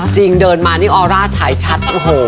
จริงเดินมานี่ออร่าฉายชัด